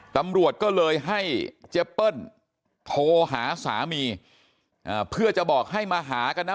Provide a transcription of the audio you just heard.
ตำรวจก็เลยให้เจเปิ้ลโทรหาสามีเพื่อจะบอกให้มาหากันนะ